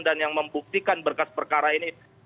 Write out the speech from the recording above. dan yang membuktikan berkas perkara ini